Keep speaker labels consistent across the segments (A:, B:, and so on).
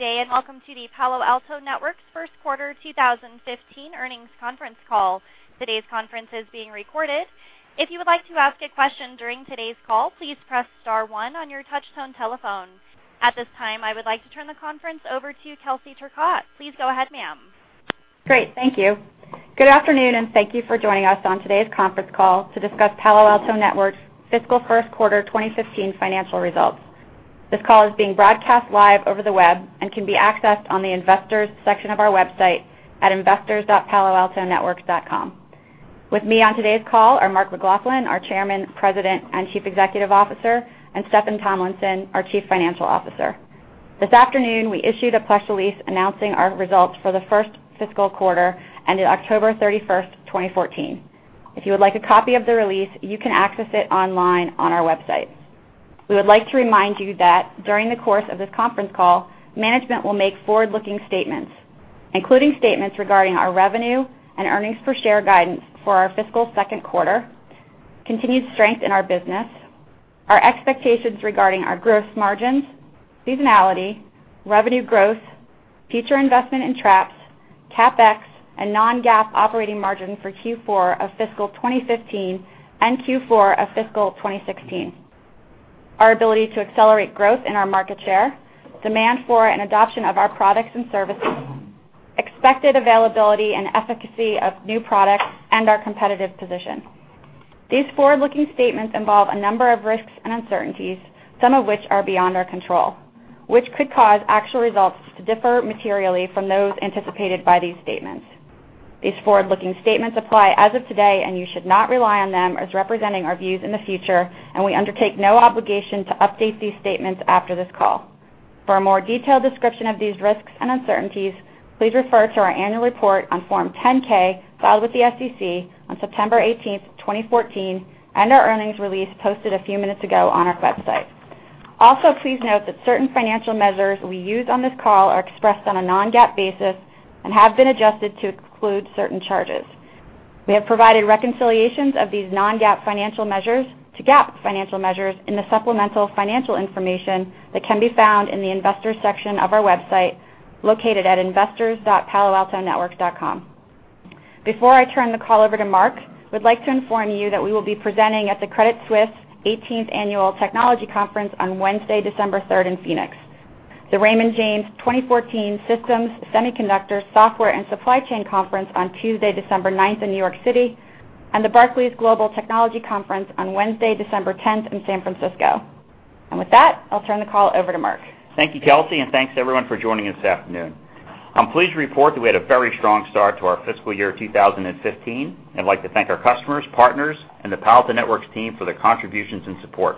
A: Today, welcome to the Palo Alto Networks first quarter 2015 earnings conference call. Today's conference is being recorded. If you would like to ask a question during today's call, please press star one on your touchtone telephone. At this time, I would like to turn the conference over to Kelsey Turcotte. Please go ahead, ma'am.
B: Great. Thank you. Good afternoon, and thank you for joining us on today's conference call to discuss Palo Alto Networks' fiscal first quarter 2015 financial results. This call is being broadcast live over the web and can be accessed on the investors section of our website at investors.paloaltonetworks.com. With me on today's call are Mark McLaughlin, our Chairman, President, and Chief Executive Officer, and Steffan Tomlinson, our Chief Financial Officer. This afternoon, we issued a press release announcing our results for the first fiscal quarter ended October 31st, 2014. If you would like a copy of the release, you can access it online on our website. These forward-looking statements include statements regarding our revenue and earnings per share guidance for our fiscal second quarter, continued strength in our business, our expectations regarding our growth margins, seasonality, revenue growth, future investment in Traps, CapEx, and non-GAAP operating margin for Q4 of fiscal 2015 and Q4 of fiscal 2016, our ability to accelerate growth and our market share, demand for and adoption of our products and services, expected availability and efficacy of new products, and our competitive position. These forward-looking statements involve a number of risks and uncertainties, some of which are beyond our control, which could cause actual results to differ materially from those anticipated by these statements. These forward-looking statements apply as of today, and you should not rely on them as representing our views in the future, and we undertake no obligation to update these statements after this call. For a more detailed description of these risks and uncertainties, please refer to our annual report on Form 10-K filed with the SEC on September 18th, 2014, and our earnings release posted a few minutes ago on our website. Also, please note that certain financial measures we use on this call are expressed on a non-GAAP basis and have been adjusted to exclude certain charges. We have provided reconciliations of these non-GAAP financial measures to GAAP financial measures in the supplemental financial information that can be found in the investors section of our website, located at investors.paloaltonetworks.com. Before I turn the call over to Mark McLaughlin, we'd like to inform you that we will be presenting at the Credit Suisse 18th Annual Technology Conference on Wednesday, December 3rd in Phoenix, the Raymond James 2014 Systems, Semiconductor, Software, and Supply Chain Conference on Tuesday, December 9th in New York City, the Barclays Global Technology Conference on Wednesday, December 10th in San Francisco. With that, I'll turn the call over to Mark McLaughlin.
C: Thank you, Kelsey Turcotte, thanks, everyone, for joining us this afternoon. I'm pleased to report that we had a very strong start to our fiscal year 2015. I'd like to thank our customers, partners, and the Palo Alto Networks team for their contributions and support.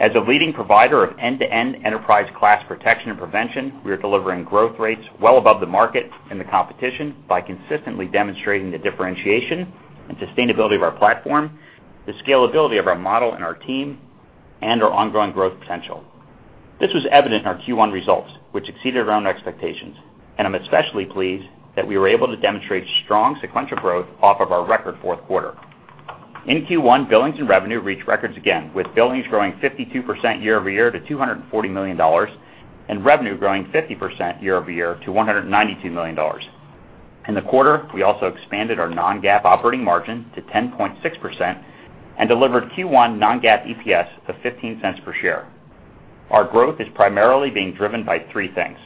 C: As a leading provider of end-to-end enterprise class protection and prevention, we are delivering growth rates well above the market and the competition by consistently demonstrating the differentiation and sustainability of our platform, the scalability of our model and our team, and our ongoing growth potential. This was evident in our Q1 results, which exceeded our own expectations, I'm especially pleased that we were able to demonstrate strong sequential growth off of our record fourth quarter. In Q1, billings and revenue reached records again, with billings growing 52% year-over-year to $240 million and revenue growing 50% year-over-year to $192 million. In the quarter, we also expanded our non-GAAP operating margin to 10.6% delivered Q1 non-GAAP EPS of $0.15 per share. Our growth is primarily being driven by three things.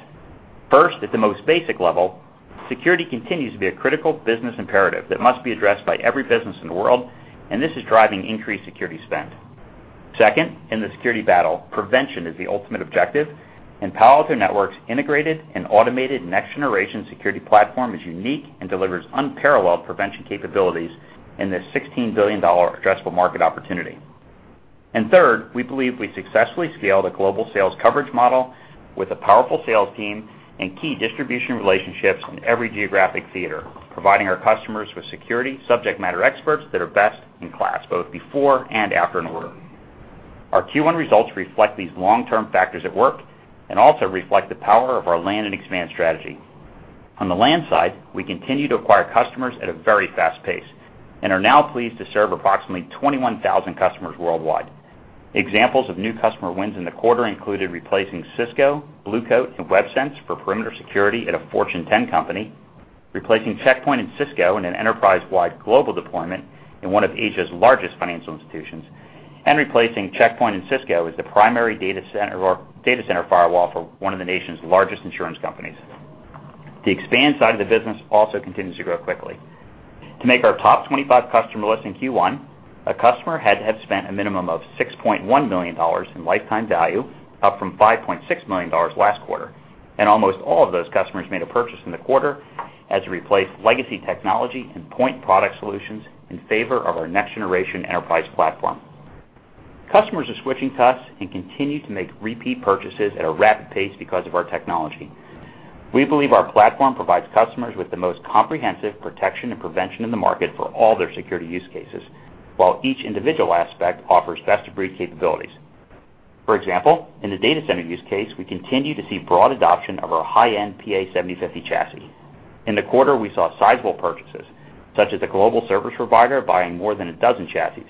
C: First, at the most basic level, security continues to be a critical business imperative that must be addressed by every business in the world, this is driving increased security spend. Second, in the security battle, prevention is the ultimate objective, Palo Alto Networks' integrated and automated next-generation security platform is unique and delivers unparalleled prevention capabilities in this $16 billion addressable market opportunity. Third, we believe we successfully scaled a global sales coverage model with a powerful sales team and key distribution relationships in every geographic theater, providing our customers with security subject matter experts that are best in class, both before and after an order. Our Q1 results reflect these long-term factors at work also reflect the power of our land and expand strategy. On the land side, we continue to acquire customers at a very fast pace and are now pleased to serve approximately 21,000 customers worldwide. Examples of new customer wins in the quarter included replacing Cisco, Blue Coat, and Websense for perimeter security at a Fortune 10 company, replacing Check Point and Cisco in an enterprise-wide global deployment in one of Asia's largest financial institutions, replacing Check Point and Cisco as the primary data center firewall for one of the nation's largest insurance companies. The expand side of the business also continues to grow quickly. To make our top 25 customer list in Q1, a customer had to have spent a minimum of $6.1 million in lifetime value, up from $5.6 million last quarter. Almost all of those customers made a purchase in the quarter as we replaced legacy technology and point product solutions in favor of our next-generation enterprise platform. Customers are switching to us and continue to make repeat purchases at a rapid pace because of our technology. We believe our platform provides customers with the most comprehensive protection and prevention in the market for all their security use cases, while each individual aspect offers best-of-breed capabilities. For example, in the data center use case, we continue to see broad adoption of our high-end PA-7050 chassis. In the quarter, we saw sizable purchases, such as a global service provider buying more than a dozen chassis,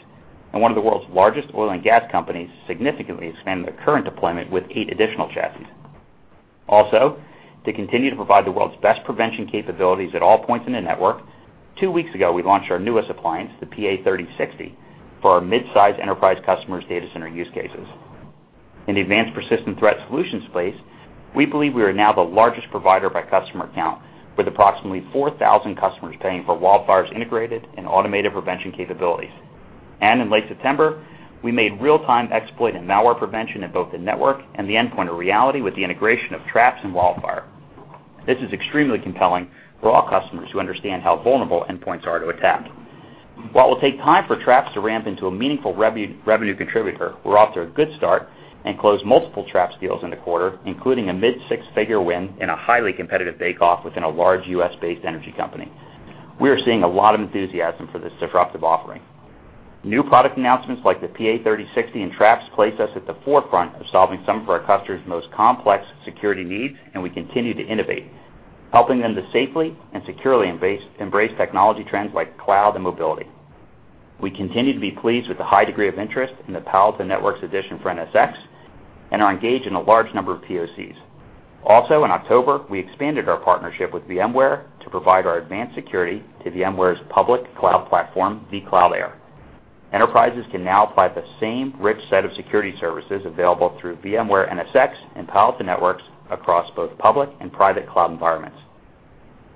C: and one of the world's largest oil and gas companies significantly expanding their current deployment with eight additional chassis. To continue to provide the world's best prevention capabilities at all points in the network, two weeks ago, we launched our newest appliance, the PA-3060, for our mid-size enterprise customers' data center use cases. In the advanced persistent threat solutions space, we believe we are now the largest provider by customer account, with approximately 4,000 customers paying for WildFire's integrated and automated prevention capabilities. In late September, we made real-time exploit and malware prevention at both the network and the endpoint a reality with the integration of Traps and WildFire. This is extremely compelling for all customers who understand how vulnerable endpoints are to attack. While it will take time for Traps to ramp into a meaningful revenue contributor, we're off to a good start and closed multiple Traps deals in the quarter, including a mid-six-figure win in a highly competitive bake-off within a large U.S.-based energy company. We are seeing a lot of enthusiasm for this disruptive offering. New product announcements like the PA-3060 and Traps place us at the forefront of solving some of our customers' most complex security needs, and we continue to innovate, helping them to safely and securely embrace technology trends like cloud and mobility. We continue to be pleased with the high degree of interest in the Palo Alto Networks addition for NSX and are engaged in a large number of POCs. In October, we expanded our partnership with VMware to provide our advanced security to VMware's public cloud platform, vCloud Air. Enterprises can now apply the same rich set of security services available through VMware NSX and Palo Alto Networks across both public and private cloud environments.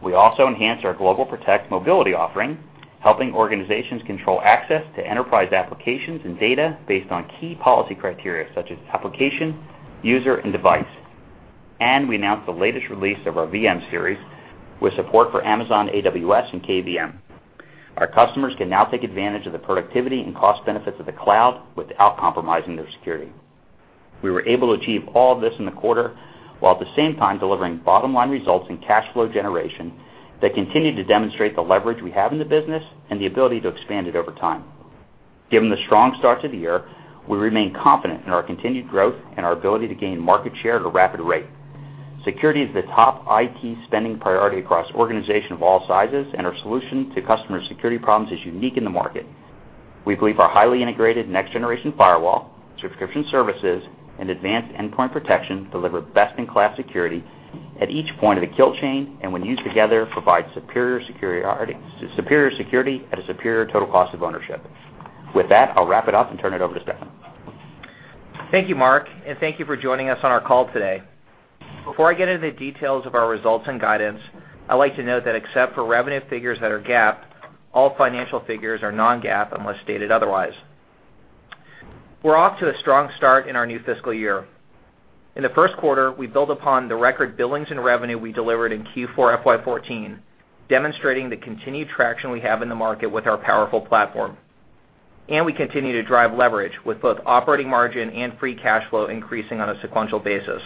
C: We enhanced our GlobalProtect mobility offering, helping organizations control access to enterprise applications and data based on key policy criteria such as application, user, and device. We announced the latest release of our VM-Series with support for Amazon AWS and KVM. Our customers can now take advantage of the productivity and cost benefits of the cloud without compromising their security. We were able to achieve all of this in the quarter while at the same time delivering bottom-line results in cash flow generation that continue to demonstrate the leverage we have in the business and the ability to expand it over time. Given the strong start to the year, we remain confident in our continued growth and our ability to gain market share at a rapid rate. Security is the top IT spending priority across organizations of all sizes. Our solution to customer security problems is unique in the market. We believe our highly integrated next-generation firewall, subscription services, and advanced endpoint protection deliver best-in-class security at each point of the kill chain and when used together, provide superior security at a superior total cost of ownership. With that, I'll wrap it up and turn it over to Steffan.
D: Thank you, Mark, and thank you for joining us on our call today. Before I get into the details of our results and guidance, I'd like to note that except for revenue figures that are GAAP, all financial figures are non-GAAP unless stated otherwise. We're off to a strong start in our new fiscal year. In the first quarter, we built upon the record billings and revenue we delivered in Q4 FY 2014, demonstrating the continued traction we have in the market with our powerful platform. We continue to drive leverage with both operating margin and free cash flow increasing on a sequential basis.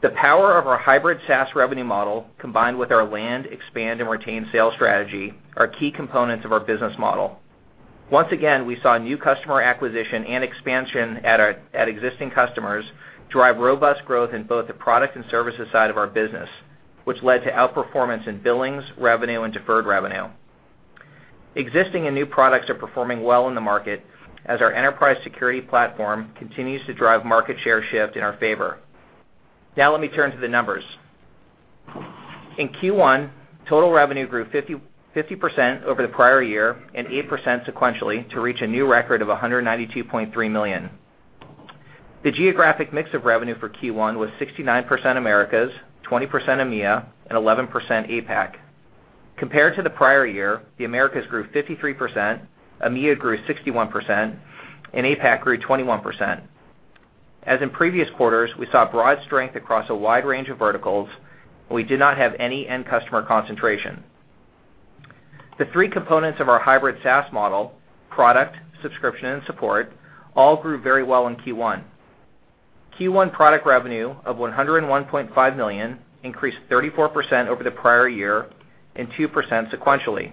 D: The power of our Hybrid SaaS revenue model, combined with our land, expand, and retain sales strategy, are key components of our business model. Once again, we saw new customer acquisition and expansion at existing customers drive robust growth in both the product and services side of our business, which led to outperformance in billings, revenue, and deferred revenue. Existing and new products are performing well in the market as our enterprise security platform continues to drive market share shift in our favor. Now let me turn to the numbers. In Q1, total revenue grew 50% over the prior year and 8% sequentially to reach a new record of $192.3 million. The geographic mix of revenue for Q1 was 69% Americas, 20% EMEA, and 11% APAC. Compared to the prior year, the Americas grew 53%, EMEA grew 61%, and APAC grew 21%. As in previous quarters, we saw broad strength across a wide range of verticals. We did not have any end customer concentration. The three components of our Hybrid SaaS model, product, subscription, and support, all grew very well in Q1. Q1 product revenue of $101.5 million increased 34% over the prior year and 2% sequentially.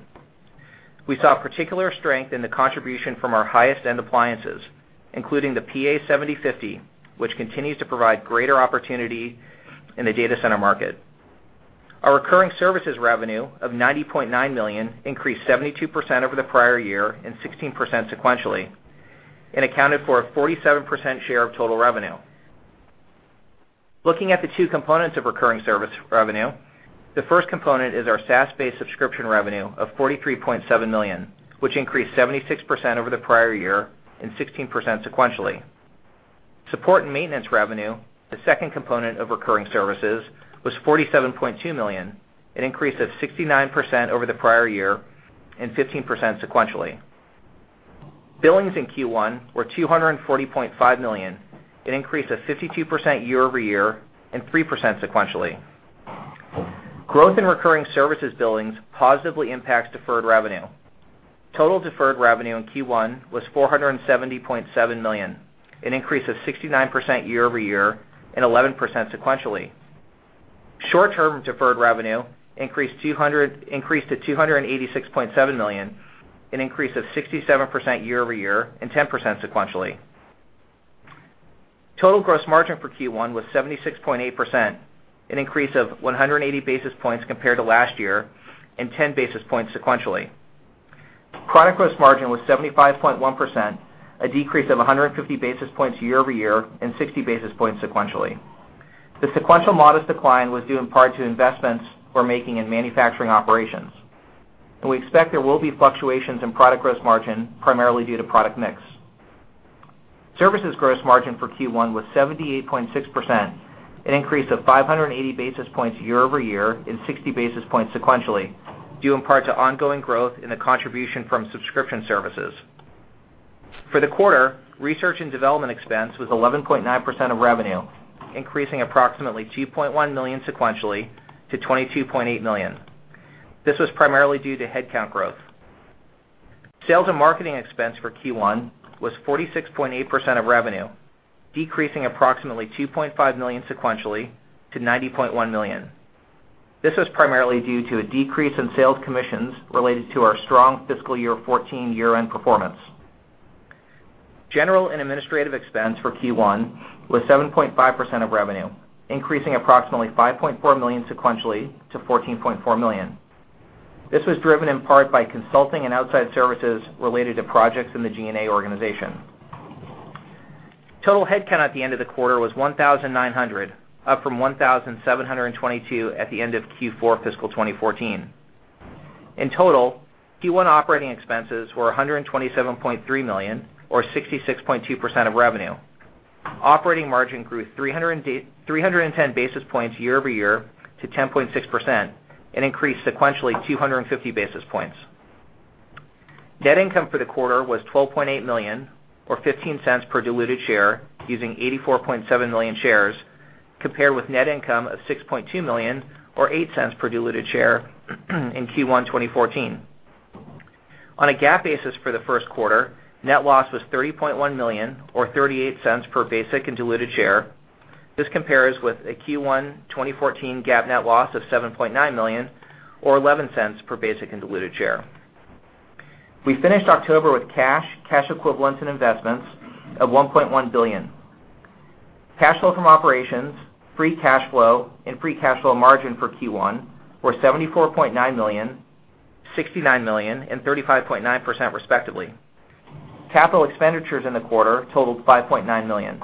D: We saw particular strength in the contribution from our highest-end appliances, including the PA-7050, which continues to provide greater opportunity in the data center market. Our recurring services revenue of $90.9 million increased 72% over the prior year and 16% sequentially and accounted for a 47% share of total revenue. Looking at the two components of recurring service revenue, the first component is our SaaS-based subscription revenue of $43.7 million, which increased 76% over the prior year and 16% sequentially. Support and maintenance revenue, the second component of recurring services, was $47.2 million, an increase of 69% over the prior year and 15% sequentially. Billings in Q1 were $240.5 million, an increase of 52% year-over-year and 3% sequentially. Growth in recurring services billings positively impacts deferred revenue. Total deferred revenue in Q1 was $470.7 million, an increase of 69% year-over-year and 11% sequentially. Short-term deferred revenue increased to $286.7 million, an increase of 67% year-over-year and 10% sequentially. Total gross margin for Q1 was 76.8%, an increase of 180 basis points compared to last year, and 10 basis points sequentially. Product gross margin was 75.1%, a decrease of 150 basis points year-over-year and 60 basis points sequentially. The sequential modest decline was due in part to investments we're making in manufacturing operations, and we expect there will be fluctuations in product gross margin, primarily due to product mix. Services gross margin for Q1 was 78.6%, an increase of 580 basis points year-over-year and 60 basis points sequentially due in part to ongoing growth in the contribution from subscription services. For the quarter, research and development expense was 11.9% of revenue, increasing approximately $2.1 million sequentially to $22.8 million. This was primarily due to headcount growth. Sales and marketing expense for Q1 was 46.8% of revenue, decreasing approximately $2.5 million sequentially to $90.1 million. This was primarily due to a decrease in sales commissions related to our strong FY 2014 year-end performance. General and administrative expense for Q1 was 7.5% of revenue, increasing approximately $5.4 million sequentially to $14.4 million. This was driven in part by consulting and outside services related to projects in the G&A organization. Total headcount at the end of the quarter was 1,900, up from 1,722 at the end of Q4 FY 2014. In total, Q1 operating expenses were $127.3 million, or 66.2% of revenue. Operating margin grew 310 basis points year-over-year to 10.6%, an increase sequentially 250 basis points. Net income for the quarter was $12.8 million, or $0.15 per diluted share, using 84.7 million shares, compared with net income of $6.2 million, or $0.08 per diluted share in Q1 2014. On a GAAP basis for the first quarter, net loss was $30.1 million, or $0.38 per basic and diluted share. This compares with a Q1 2014 GAAP net loss of $7.9 million, or $0.11 per basic and diluted share. We finished October with cash equivalents, and investments of $1.1 billion. Cash flow from operations, free cash flow, and free cash flow margin for Q1 were $74.9 million, $69 million, and 35.9%, respectively. Capital expenditures in the quarter totaled $5.9 million.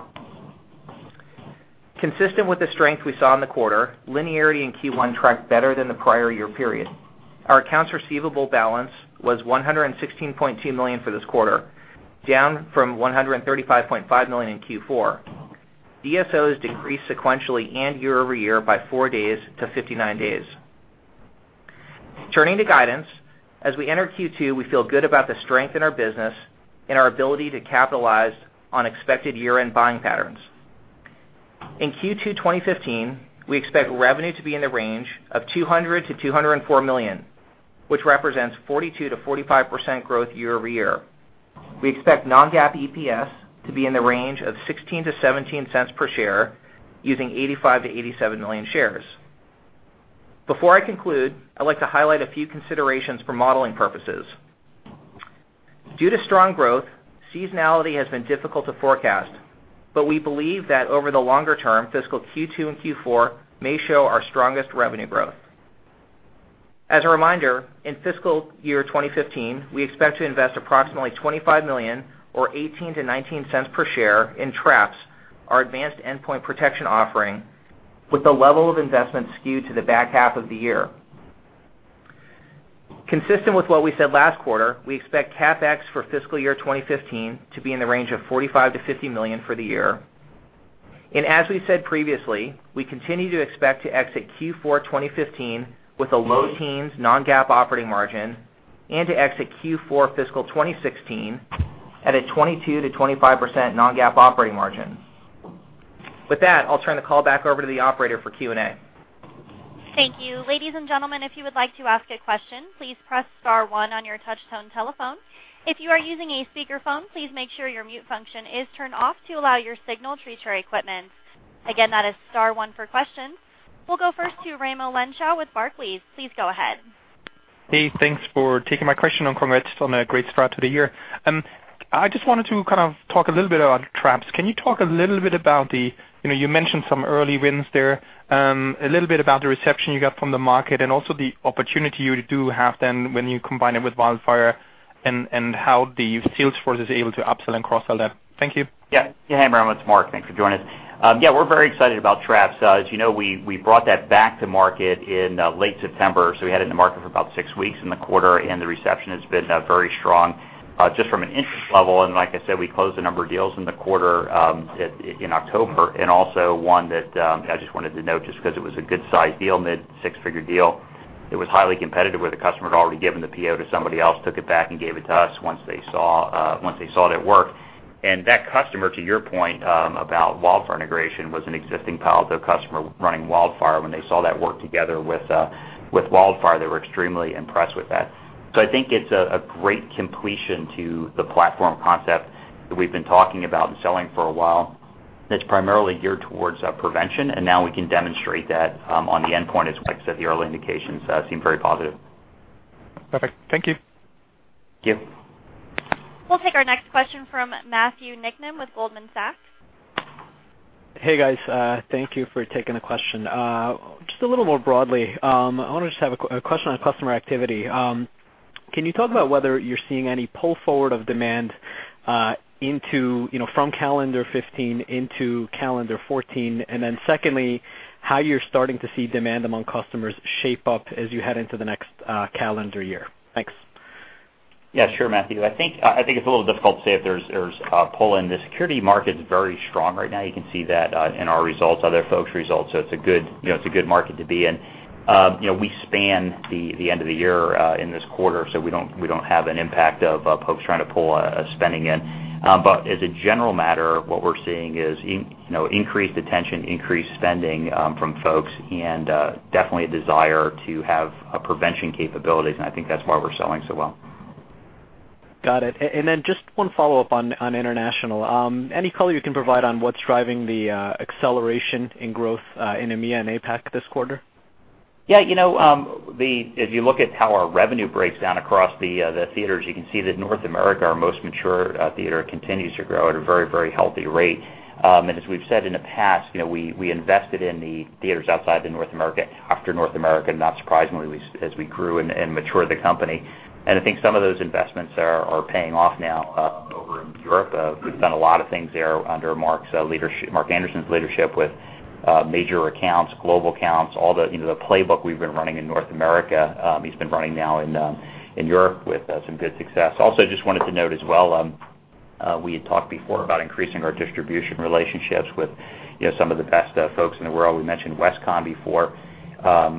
D: Consistent with the strength we saw in the quarter, linearity in Q1 tracked better than the prior year period. Our accounts receivable balance was $116.2 million for this quarter, down from $135.5 million in Q4. DSOs decreased sequentially and year-over-year by four days to 59 days. Turning to guidance, as we enter Q2, we feel good about the strength in our business and our ability to capitalize on expected year-end buying patterns. In Q2 2015, we expect revenue to be in the range of $200 million-$204 million, which represents 42%-45% growth year-over-year. We expect non-GAAP EPS to be in the range of $0.16-$0.17 per share, using 85 million-87 million shares. Before I conclude, I'd like to highlight a few considerations for modeling purposes. Due to strong growth, seasonality has been difficult to forecast, but we believe that over the longer term, fiscal Q2 and Q4 may show our strongest revenue growth. As a reminder, in fiscal year 2015, we expect to invest approximately $25 million, or $0.18-$0.19 per share, in Traps, our advanced endpoint protection offering, with the level of investment skewed to the back half of the year. Consistent with what we said last quarter, we expect CapEx for fiscal year 2015 to be in the range of $45 million-$50 million for the year. As we said previously, we continue to expect to exit Q4 2015 with a low teens non-GAAP operating margin and to exit Q4 fiscal 2016 at a 22%-25% non-GAAP operating margin. With that, I'll turn the call back over to the operator for Q&A.
A: Thank you. Ladies and gentlemen, if you would like to ask a question, please press star one on your touch-tone telephone. If you are using a speakerphone, please make sure your mute function is turned off to allow your signal equipment. Again, that is star one for questions. We'll go first to Raimo Lenschow with Barclays. Please go ahead.
E: Hey, thanks for taking my question, and congrats on a great start to the year. I just wanted to kind of talk a little bit about Traps. Can you talk a little bit about the You mentioned some early wins there. A little bit about the reception you got from the market and also the opportunity you do have then when you combine it with WildFire, and how the sales force is able to upsell and cross-sell that. Thank you.
C: Hey, Raimo, it's Mark. Thanks for joining. We're very excited about Traps. As you know, we brought that back to market in late September, so we had it in the market for about six weeks in the quarter, and the reception has been very strong. Just from an interest level, and like I said, we closed a number of deals in the quarter in October. Also one that I just wanted to note, just because it was a good-sized deal, mid-six-figure deal. It was highly competitive, where the customer had already given the PO to somebody else, took it back, and gave it to us once they saw it at work. That customer, to your point about WildFire integration, was an existing Palo Alto customer running WildFire. When they saw that work together with WildFire, they were extremely impressed with that.
D: I think it's a great completion to the platform concept that we've been talking about and selling for a while, that's primarily geared towards prevention, and now we can demonstrate that on the endpoint, as we said, the early indications seem very positive.
E: Perfect. Thank you.
C: Thank you.
A: We'll take our next question from Matthew Niknam with Goldman Sachs.
F: Hey, guys. Thank you for taking the question. A little more broadly, I want to have a question on customer activity. Can you talk about whether you're seeing any pull forward of demand from calendar 2015 into calendar 2014? Secondly, how you're starting to see demand among customers shape up as you head into the next calendar year. Thanks.
C: Yeah, sure, Matthew. I think it's a little difficult to say if there's a pull in. The security market's very strong right now. You can see that in our results, other folks' results. It's a good market to be in. We span the end of the year in this quarter, we don't have an impact of folks trying to pull spending in. As a general matter, what we're seeing is increased attention, increased spending from folks, and definitely a desire to have prevention capabilities, and I think that's why we're selling so well.
F: Got it. Just one follow-up on international. Any color you can provide on what's driving the acceleration in growth in EMEA and APAC this quarter?
C: Yeah. If you look at how our revenue breaks down across the theaters, you can see that North America, our most mature theater, continues to grow at a very healthy rate. As we've said in the past, we invested in the theaters outside of North America after North America, not surprisingly, as we grew and matured the company. I think some of those investments are paying off now over in Europe. We've done a lot of things there under Mark Anderson's leadership with major accounts, global accounts, all the playbook we've been running in North America, he's been running now in Europe with some good success. Also, just wanted to note as well, we had talked before about increasing our distribution relationships with some of the best folks in the world. We mentioned Westcon before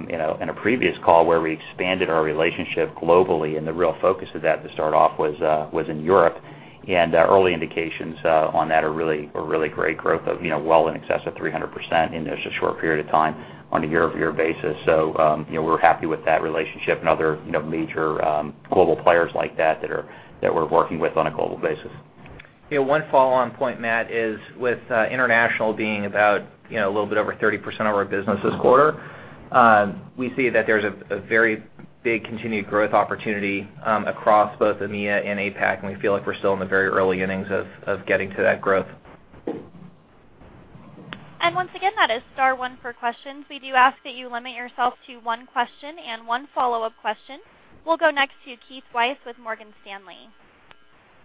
C: in a previous call where we expanded our relationship globally, the real focus of that to start off was in Europe. Early indications on that are really great growth of well in excess of 300% in just a short period of time on a year-over-year basis. We're happy with that relationship and other major global players like that that we're working with on a global basis.
D: One follow-on point, Matt, is with international being about a little bit over 30% of our business this quarter, we see that there's a very big continued growth opportunity across both EMEA and APAC, we feel like we're still in the very early innings of getting to that growth.
A: Once again, that is star 1 for questions. We do ask that you limit yourself to 1 question and 1 follow-up question. We'll go next to Keith Weiss with Morgan Stanley.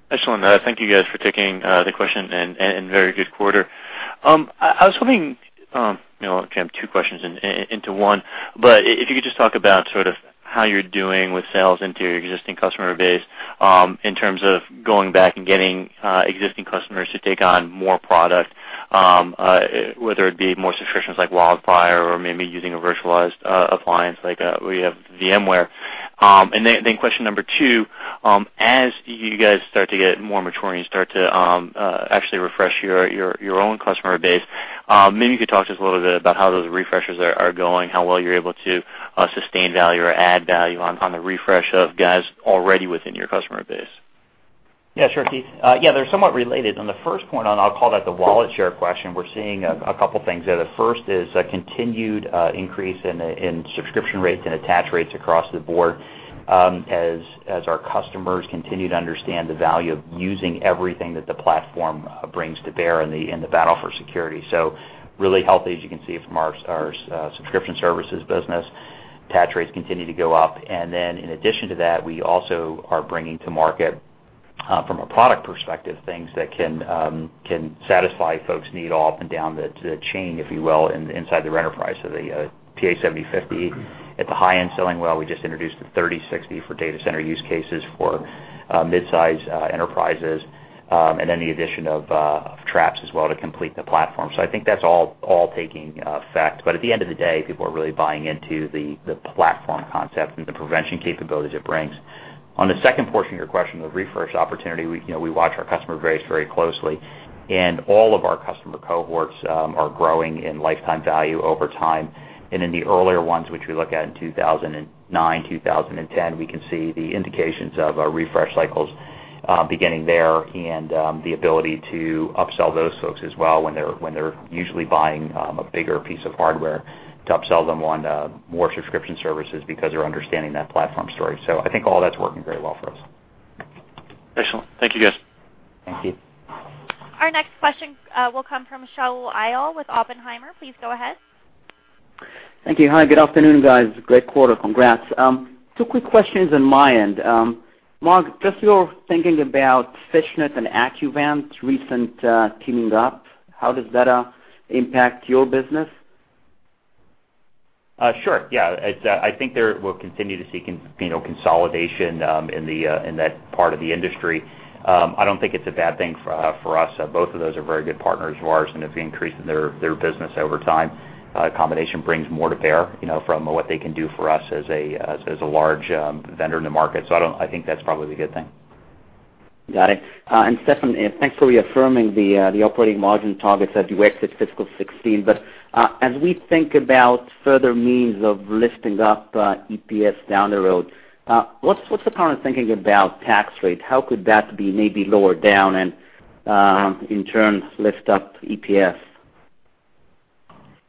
G: Excellent. Thank you guys for taking the question and very good quarter. I was hoping to jam 2 questions into 1, but if you could just talk about sort of how you're doing with sales into your existing customer base, in terms of going back and getting existing customers to take on more product, whether it be more subscriptions like WildFire or maybe using a virtualized appliance like we have VMware. Then question number 2, as you guys start to get more maturity and start to actually refresh your own customer base, maybe you could talk to us a little bit about how those refreshes are going, how well you're able to sustain value or add value on the refresh of guys already within your customer base.
C: Sure, Keith. They're somewhat related. On the first point, I'll call that the wallet share question, we're seeing a couple things there. The first is a continued increase in subscription rates and attach rates across the board as our customers continue to understand the value of using everything that the platform brings to bear in the battle for security. Really healthy, as you can see from our subscription services business. Attach rates continue to go up. In addition to that, we also are bringing to market, from a product perspective, things that can satisfy folks' need all up and down the chain, if you will, inside their enterprise. The PA-7050 at the high end selling well. We just introduced the PA-3060 for data center use cases for midsize enterprises. The addition of Traps as well to complete the platform. I think that's all taking effect. At the end of the day, people are really buying into the platform concept and the prevention capabilities it brings. On the second portion of your question, the refresh opportunity, we watch our customer base very closely, and all of our customer cohorts are growing in lifetime value over time. In the earlier ones, which we look at in 2009, 2010, we can see the indications of our refresh cycles beginning there and the ability to upsell those folks as well when they're usually buying a bigger piece of hardware to upsell them on more subscription services because they're understanding that platform story. I think all that's working very well for us.
G: Excellent. Thank you, guys.
C: Thank you.
A: Our next question will come from Shaul Eyal with Oppenheimer. Please go ahead.
H: Thank you. Hi, good afternoon, guys. Great quarter. Congrats. Two quick questions on my end. Mark, just your thinking about FishNet and Accuvant recent teaming up, how does that impact your business?
C: Sure, yeah. I think we'll continue to see consolidation in that part of the industry. I don't think it's a bad thing for us. Both of those are very good partners of ours and have been increasing their business over time. Combination brings more to bear from what they can do for us as a large vendor in the market. I think that's probably a good thing.
H: Got it. Steffan, thanks for reaffirming the operating margin targets as you exit FY 2016. As we think about further means of lifting up EPS down the road, what's the current thinking about tax rate? How could that be maybe lower down and in turn lift up EPS?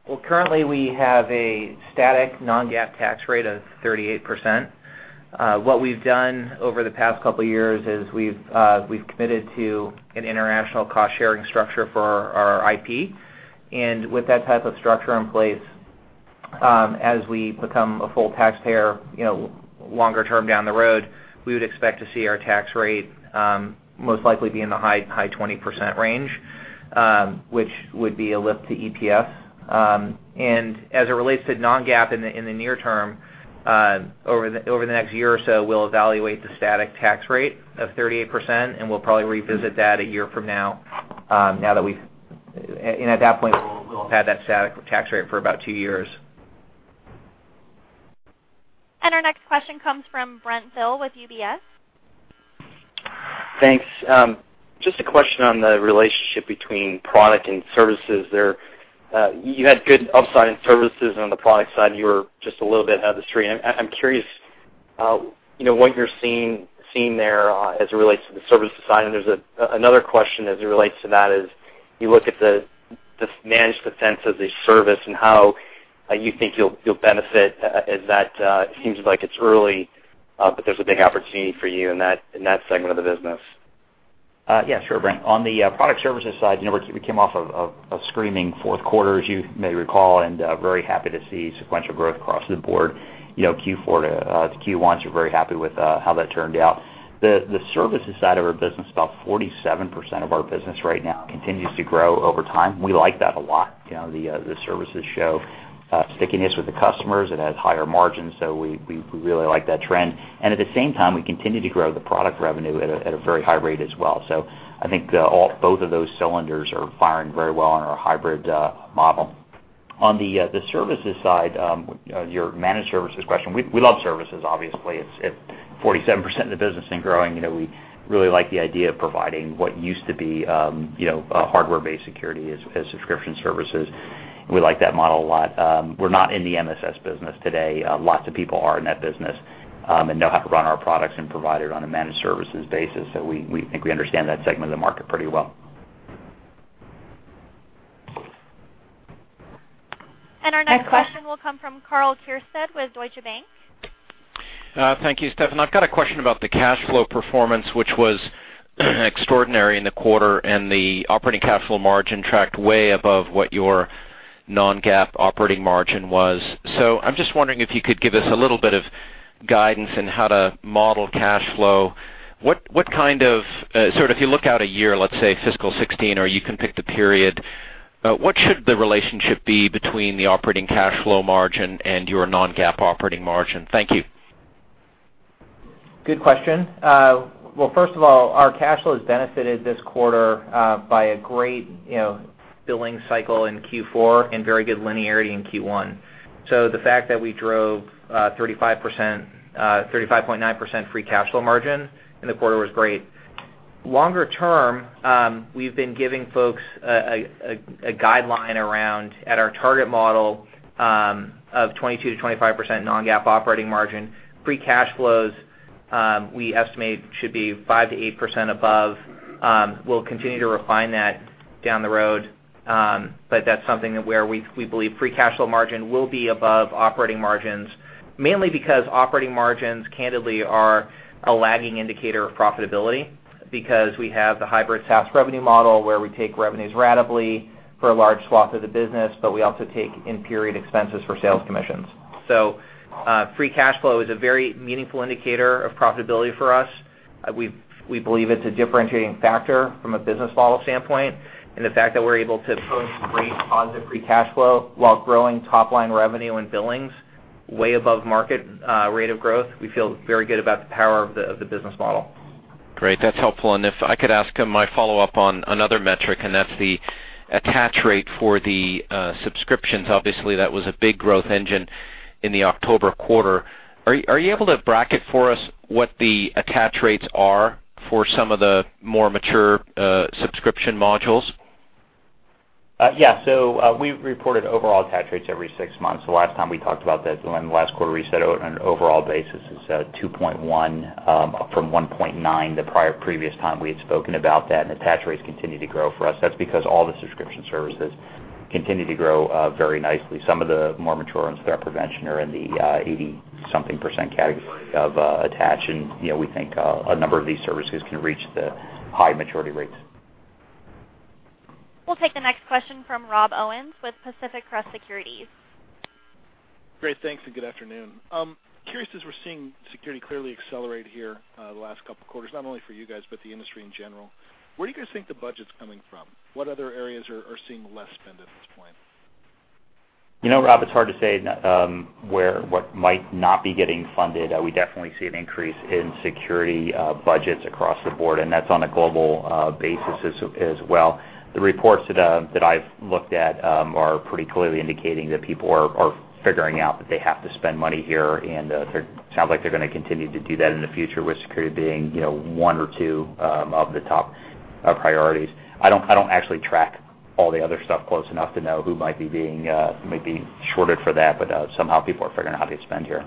D: Well, currently we have a static non-GAAP tax rate of 38%. We've done over the past couple of years is we've committed to an international cost-sharing structure for our IP. With that type of structure in place, as we become a full taxpayer longer-term down the road, we would expect to see our tax rate most likely be in the high 20% range, which would be a lift to EPS. As it relates to non-GAAP in the near term, over the next year or so, we'll evaluate the static tax rate of 38%, and we'll probably revisit that a year from now. At that point, we'll have had that static tax rate for about two years.
A: Our next question comes from Brent Thill with UBS.
I: Thanks. Just a question on the relationship between product and services there. You had good upside in services. On the product side, you were just a little bit ahead of the street. I'm curious what you're seeing there as it relates to the services side. There's another question as it relates to that is, you look at the managed defense as a service and how you think you'll benefit as that seems like it's early, but there's a big opportunity for you in that segment of the business.
C: Yeah, sure, Brent. On the product services side, we came off of a screaming fourth quarter, as you may recall, very happy to see sequential growth across the board. Q4 to Q1, very happy with how that turned out. The services side of our business, about 47% of our business right now, continues to grow over time. We like that a lot. The services show stickiness with the customers. It has higher margins, so we really like that trend. At the same time, we continue to grow the product revenue at a very high rate as well. I think both of those cylinders are firing very well on our hybrid model. On the services side, your managed services question, we love services, obviously. It's 47% of the business and growing. We really like the idea of providing what used to be a hardware-based security as subscription services. We like that model a lot. We're not in the MSS business today. Lots of people are in that business and know how to run our products and provide it on a managed services basis, so we think we understand that segment of the market pretty well.
A: Our next question will come from Karl Keirstead with Deutsche Bank.
J: Thank you. Steffan, I've got a question about the cash flow performance, which was extraordinary in the quarter, the operating cash flow margin tracked way above what your non-GAAP operating margin was. I'm just wondering if you could give us a little bit of guidance in how to model cash flow. If you look out a year, let's say FY 2016, or you can pick the period, what should the relationship be between the operating cash flow margin and your non-GAAP operating margin? Thank you.
D: Good question. First of all, our cash flow has benefited this quarter by a great billing cycle in Q4 and very good linearity in Q1. The fact that we drove 35.9% free cash flow margin in the quarter was great. Longer term, we've been giving folks a guideline around at our target model of 22%-25% non-GAAP operating margin. Free cash flows, we estimate should be 5%-8% above. We'll continue to refine that down the road, but that's something where we believe free cash flow margin will be above operating margins, mainly because operating margins, candidly, are a lagging indicator of profitability because we have the hybrid SaaS revenue model where we take revenues ratably for a large swath of the business, but we also take in-period expenses for sales commissions. Free cash flow is a very meaningful indicator of profitability for us. We believe it's a differentiating factor from a business model standpoint, and the fact that we're able to post great positive free cash flow while growing top-line revenue and billings way above market rate of growth, we feel very good about the power of the business model.
J: Great. That's helpful. If I could ask my follow-up on another metric, and that's the attach rate for the subscriptions. Obviously, that was a big growth engine in the October quarter. Are you able to bracket for us what the attach rates are for some of the more mature subscription modules?
C: Yeah. We reported overall attach rates every six months. The last time we talked about that in the last quarter, we said on an overall basis, it's 2.1 from 1.9 the previous time we had spoken about that. Attach rates continue to grow for us. That's because all the subscription services continue to grow very nicely. Some of the more mature ones, threat prevention, are in the 80-something% category of attach, and we think a number of these services can reach the high maturity rates.
A: We'll take the next question from Rob Owens with Pacific Crest Securities.
K: Great. Thanks. Good afternoon. Curious, as we're seeing security clearly accelerate here the last couple of quarters, not only for you guys, but the industry in general, where do you guys think the budget's coming from? What other areas are seeing less spend at this point?
C: Rob, it's hard to say what might not be getting funded. We definitely see an increase in security budgets across the board. That's on a global basis as well. The reports that I've looked at are pretty clearly indicating that people are figuring out that they have to spend money here. It sounds like they're going to continue to do that in the future with security being one or two of the top priorities. I don't actually track all the other stuff close enough to know who might be shorted for that. Somehow people are figuring out how to spend here.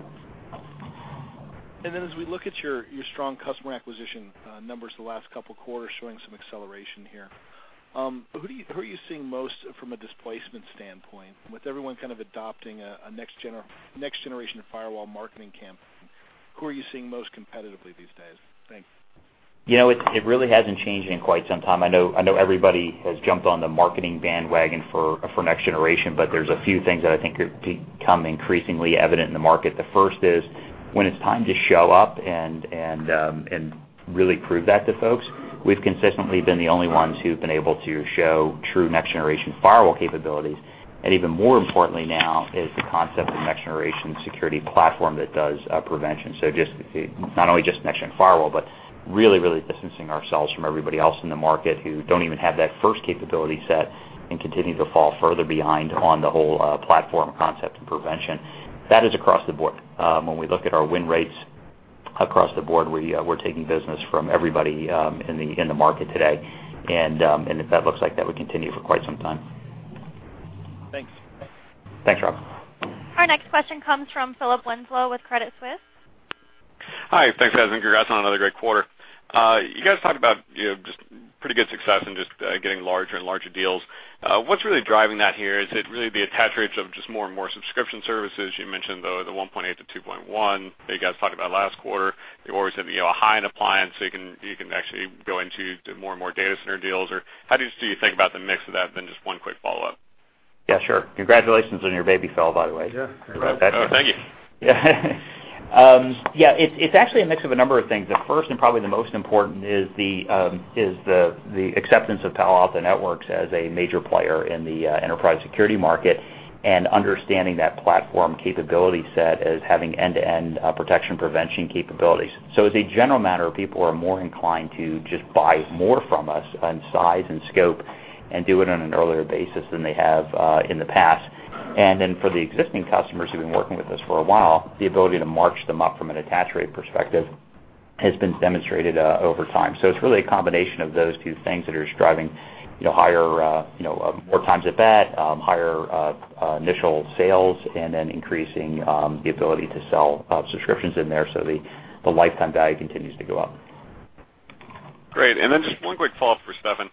K: As we look at your strong customer acquisition numbers the last couple of quarters showing some acceleration here, who are you seeing most from a displacement standpoint? With everyone kind of adopting a next-generation firewall marketing campaign, who are you seeing most competitively these days? Thanks.
C: It really hasn't changed in quite some time. I know everybody has jumped on the marketing bandwagon for next generation. There's a few things that I think have become increasingly evident in the market. The first is when it's time to show up and really prove that to folks, we've consistently been the only ones who've been able to show true next-generation firewall capabilities. Even more importantly now is the concept of next-generation security platform that does prevention. Not only just next-gen firewall, really distancing ourselves from everybody else in the market who don't even have that first capability set and continue to fall further behind on the whole platform concept and prevention. That is across the board. When we look at our win rates across the board, we're taking business from everybody in the market today, that looks like that would continue for quite some time.
K: Thanks.
C: Thanks, Rob.
A: Our next question comes from Philip Winslow with Credit Suisse.
L: Hi. Thanks, guys, congrats on another great quarter. You guys talked about just pretty good success in just getting larger and larger deals. What's really driving that here? Is it really the attach rates of just more and more subscription services? You mentioned the 1.8-2.1 that you guys talked about last quarter. You always have a high-end appliance, so you can actually go into more and more data center deals, or how do you think about the mix of that? Just one quick follow-up.
C: Sure. Congratulations on your baby, Phil, by the way.
L: Thank you.
C: It's actually a mix of a number of things. The first, and probably the most important, is the acceptance of Palo Alto Networks as a major player in the enterprise security market and understanding that platform capability set as having end-to-end protection prevention capabilities. As a general matter, people are more inclined to just buy more from us on size and scope and do it on an earlier basis than they have in the past. For the existing customers who've been working with us for a while, the ability to march them up from an attach rate perspective has been demonstrated over time. It's really a combination of those two things that are just driving more times at bat, higher initial sales, and then increasing the ability to sell subscriptions in there so the lifetime value continues to go up.
L: Great. Just one quick follow-up for Steffan.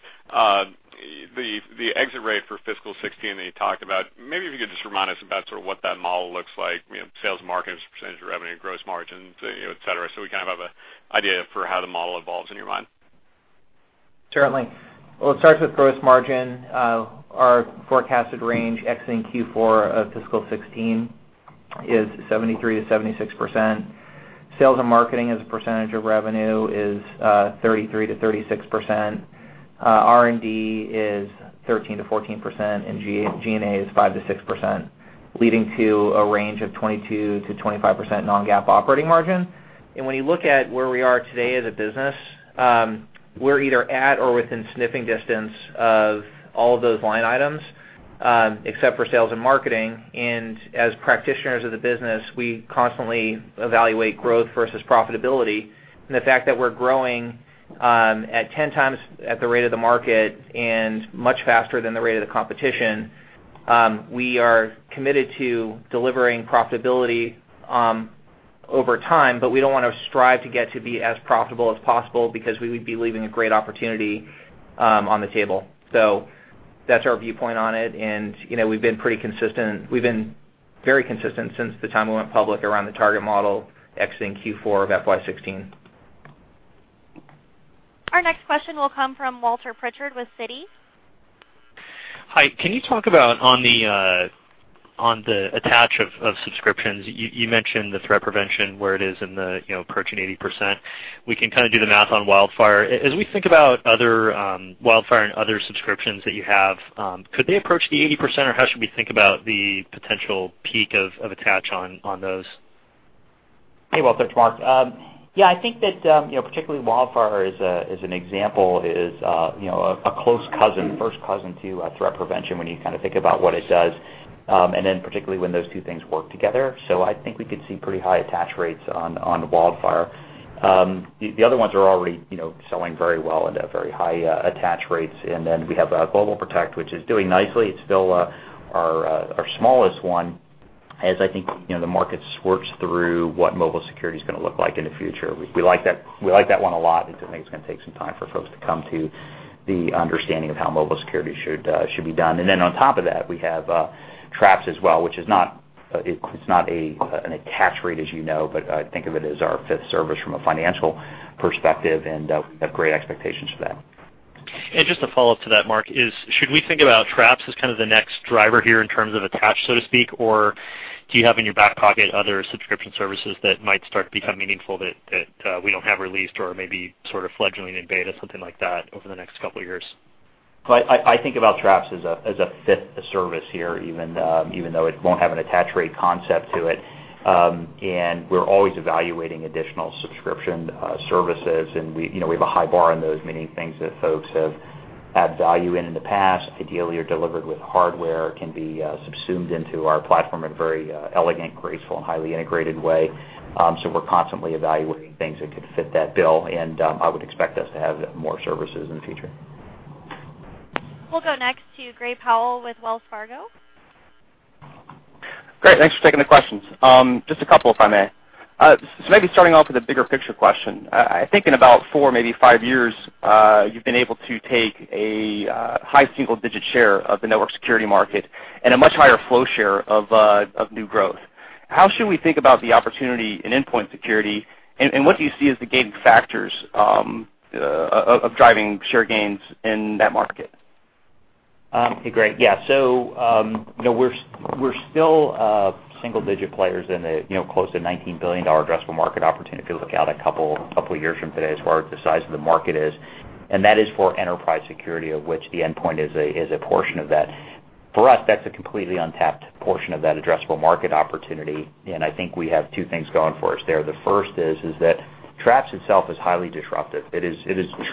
L: The exit rate for fiscal 2016 that you talked about, maybe if you could just remind us about what that model looks like. Sales and marketing as a percentage of revenue, gross margins, et cetera, so we have an idea for how the model evolves in your mind.
D: Certainly. It starts with gross margin. Our forecasted range exiting Q4 of FY 2016 is 73%-76%. Sales and marketing as a percentage of revenue is 33%-36%. R&D is 13%-14%, G&A is 5%-6%, leading to a range of 22%-25% non-GAAP operating margin. When you look at where we are today as a business, we're either at or within sniffing distance of all of those line items, except for sales and marketing. As practitioners of the business, we constantly evaluate growth versus profitability, the fact that we're growing at 10 times at the rate of the market and much faster than the rate of the competition, we are committed to delivering profitability over time, we don't want to strive to get to be as profitable as possible because we would be leaving a great opportunity on the table. That's our viewpoint on it, we've been very consistent since the time we went public around the target model exiting Q4 of FY 2016.
A: Our next question will come from Walter Pritchard with Citi.
M: Hi. Can you talk about on the attach of subscriptions, you mentioned the threat prevention, where it is in the approaching 80%. We can do the math on WildFire. As we think about WildFire and other subscriptions that you have, could they approach the 80%, how should we think about the potential peak of attach on those?
C: Hey, Walter. It's Mark. I think that particularly WildFire as an example is a close cousin, first cousin to threat prevention when you think about what it does, and then particularly when those two things work together. I think we could see pretty high attach rates on WildFire. The other ones are already selling very well and at very high attach rates. We have GlobalProtect, which is doing nicely. It's still our smallest one as I think the market sorts through what mobile security is going to look like in the future. We like that one a lot. We just think it's going to take some time for folks to come to the understanding of how mobile security should be done. On top of that, we have Traps as well, which it's not an attach rate, as you know, but I think of it as our fifth service from a financial perspective, and have great expectations for that.
M: Just a follow-up to that, Mark, should we think about Traps as kind of the next driver here in terms of attach, so to speak, or do you have in your back pocket other subscription services that might start to become meaningful that we don't have released or are maybe sort of fledgling in beta, something like that, over the next couple of years?
C: I think about Traps as a fifth service here, even though it won't have an attach rate concept to it. We're always evaluating additional subscription services, and we have a high bar on those, meaning things that folks have had value in in the past, ideally are delivered with hardware, can be subsumed into our platform in a very elegant, graceful, and highly integrated way. We're constantly evaluating things that could fit that bill, and I would expect us to have more services in the future.
A: We'll go next to Gray Powell with Wells Fargo.
N: Great. Thanks for taking the questions. Just a couple, if I may. Maybe starting off with a bigger picture question. I think in about four, maybe five years, you've been able to take a high single-digit share of the network security market and a much higher flow share of new growth. How should we think about the opportunity in endpoint security, and what do you see as the gating factors of driving share gains in that market?
C: Hey, Gray. Yeah. We're still single-digit players in the close to $19 billion addressable market opportunity if you look out a couple years from today, as far as the size of the market is. That is for enterprise security, of which the endpoint is a portion of that. For us, that's a completely untapped portion of that addressable market opportunity, and I think we have two things going for us there. The first is that Traps itself is highly disruptive. It is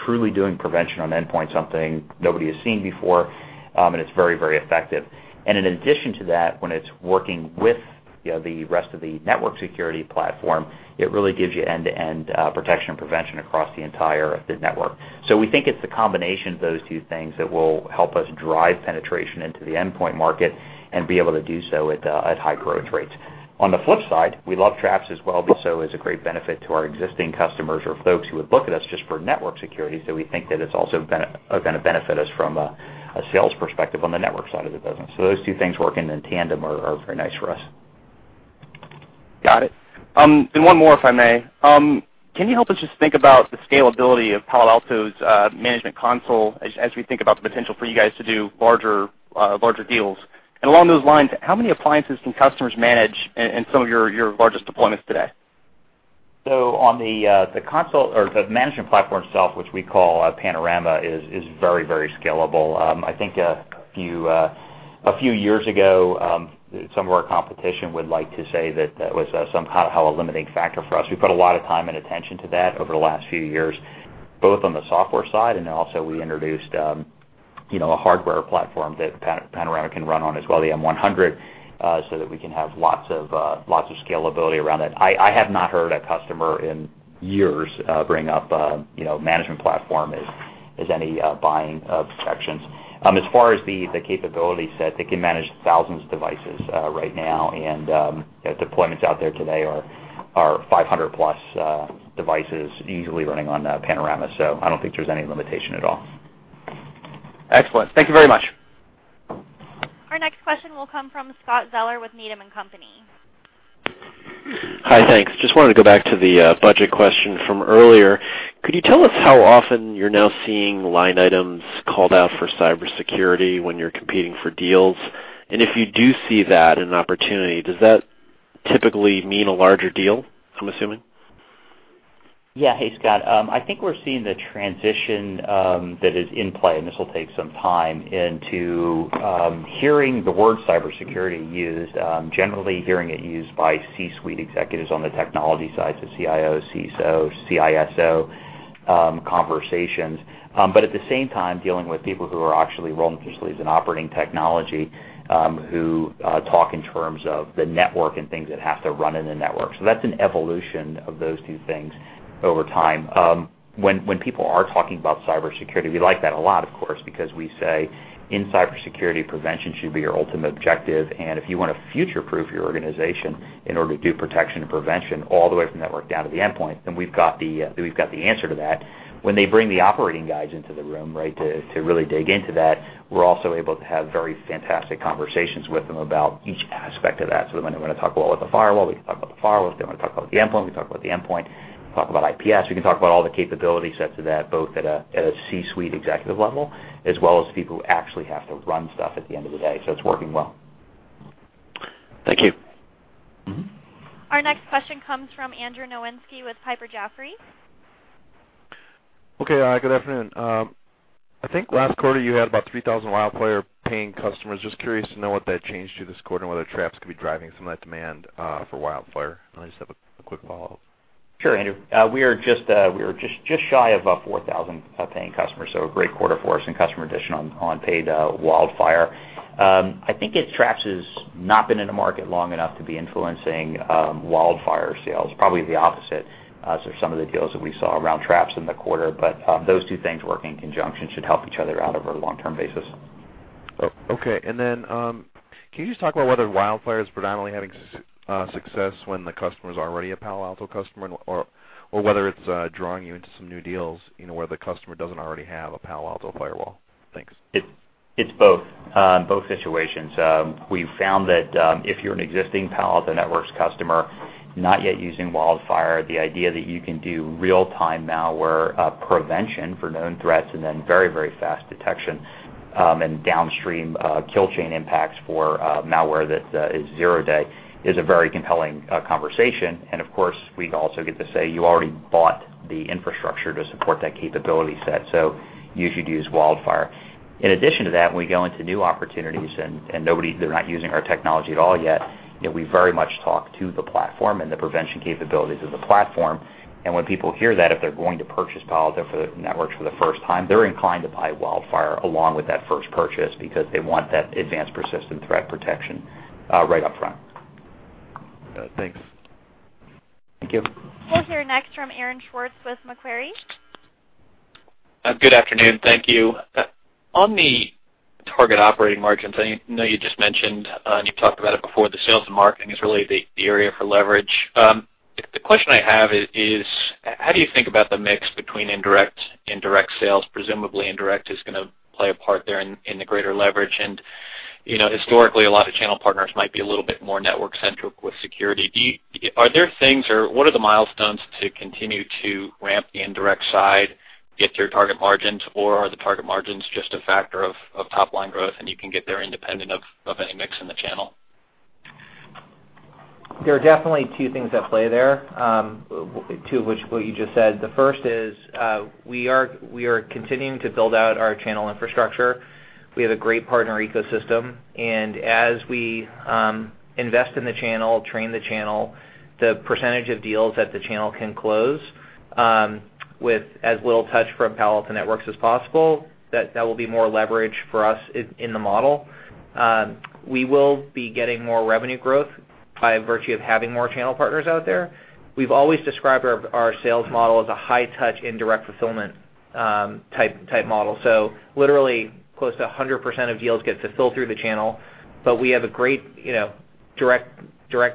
C: truly doing prevention on endpoint, something nobody has seen before, and it's very effective. In addition to that, when it's working with the rest of the network security platform, it really gives you end-to-end protection and prevention across the entire network. We think it's the combination of those two things that will help us drive penetration into the endpoint market and be able to do so at high growth rates. On the flip side, we love Traps as well, because it's a great benefit to our existing customers or folks who would look at us just for network security. We think that it's also going to benefit us from a sales perspective on the network side of the business. Those two things working in tandem are very nice for us.
N: Got it. One more, if I may. Can you help us just think about the scalability of Palo Alto's management console as we think about the potential for you guys to do larger deals? Along those lines, how many appliances can customers manage in some of your largest deployments today?
C: On the console or the management platform itself, which we call Panorama, is very scalable. I think a few years ago, some of our competition would like to say that that was somehow a limiting factor for us. We put a lot of time and attention to that over the last few years, both on the software side, then also we introduced a hardware platform that Panorama can run on as well, the M-100, that we can have lots of scalability around that. I have not heard a customer in years bring up management platform as any buying objections. As far as the capability set, they can manage thousands of devices right now, and deployments out there today are 500-plus devices easily running on Panorama. I don't think there's any limitation at all.
N: Excellent. Thank you very much.
A: Our next question will come from Scott Zeller with Needham & Company.
O: Hi, thanks. Just wanted to go back to the budget question from earlier. Could you tell us how often you're now seeing line items called out for cybersecurity when you're competing for deals? If you do see that an opportunity, does that typically mean a larger deal, I'm assuming?
C: Yeah. Hey, Scott. I think we're seeing the transition that is in play, and this will take some time, into hearing the word cybersecurity used, generally hearing it used by C-suite executives on the technology side, so CIO, CISO conversations. At the same time, dealing with people who are actually rolling their sleeves and operating technology, who talk in terms of the network and things that have to run in the network. That's an evolution of those two things over time. When people are talking about cybersecurity, we like that a lot, of course, because we say in cybersecurity, prevention should be your ultimate objective, and if you want to future-proof your organization in order to do protection and prevention all the way from the network down to the endpoint, then we've got the answer to that. When they bring the operating guides into the room, right, to really dig into that, we're also able to have very fantastic conversations with them about each aspect of that. When they want to talk about the firewall, we can talk about the firewall. If they want to talk about the endpoint, we talk about the endpoint. We can talk about IPS. We can talk about all the capability sets of that, both at a C-suite executive level, as well as people who actually have to run stuff at the end of the day. It's working well.
O: Thank you.
A: Our next question comes from Andrew Nowinski with Piper Jaffray.
P: Okay. Good afternoon. I think last quarter, you had about 3,000 WildFire paying customers. Just curious to know what that changed to this quarter, and whether Traps could be driving some of that demand for WildFire. I just have a quick follow-up.
C: Sure, Andrew. We are just shy of 4,000 paying customers, so a great quarter for us in customer addition on paid WildFire. I think Traps has not been in the market long enough to be influencing WildFire sales. Probably the opposite. Some of the deals that we saw around Traps in the quarter, those two things working in conjunction should help each other out over a long-term basis.
P: Okay. Can you just talk about whether WildFire is predominantly having success when the customer's already a Palo Alto customer, or whether it's drawing you into some new deals, where the customer doesn't already have a Palo Alto firewall? Thanks.
C: It's both situations. We've found that if you're an existing Palo Alto Networks customer, not yet using WildFire, the idea that you can do real-time malware prevention for known threats and then very fast detection and downstream kill chain impacts for malware that is zero-day is a very compelling conversation. Of course, we also get to say, "You already bought the infrastructure to support that capability set, so you should use WildFire." In addition to that, when we go into new opportunities, and they're not using our technology at all yet, we very much talk to the platform and the prevention capabilities of the platform. When people hear that, if they're going to purchase Palo Alto Networks for the first time, they're inclined to buy WildFire along with that first purchase because they want that advanced persistent threat protection right up front.
P: Thanks.
C: Thank you.
A: We'll hear next from Aaron Schwartz with Macquarie.
Q: Good afternoon. Thank you. On the target operating margins, I know you just mentioned, and you've talked about it before, the sales and marketing is really the area for leverage. The question I have is, how do you think about the mix between indirect and direct sales? Presumably indirect is going to play a part there in the greater leverage, and historically a lot of channel partners might be a little bit more network centric with security. Are there things or what are the milestones to continue to ramp the indirect side, get to your target margins, or are the target margins just a factor of top line growth, and you can get there independent of any mix in the channel?
D: There are definitely two things at play there, two of which what you just said. The first is, we are continuing to build out our channel infrastructure. We have a great partner ecosystem, and as we invest in the channel, train the channel, the percentage of deals that the channel can close with as little touch from Palo Alto Networks as possible, that will be more leverage for us in the model. We will be getting more revenue growth by virtue of having more channel partners out there. We've always described our sales model as a high touch indirect fulfillment type model. Literally close to 100% of deals get fulfilled through the channel, but we have a great direct